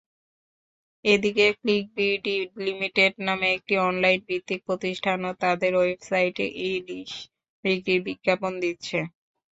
এদিকে ক্লিকবিডি লিমিটেড নামে একটি অনলাইনভিত্তিক প্রতিষ্ঠানও তাদের ওয়েবসাইটে ইলিশ বিক্রির বিজ্ঞাপন দিচ্ছে।